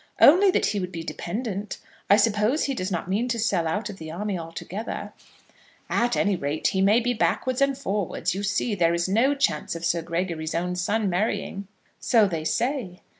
"Only that he would be dependent. I suppose he does not mean to sell out of the army altogether." "At any rate, he may be backwards and forwards. You see, there is no chance of Sir Gregory's own son marrying." "So they say."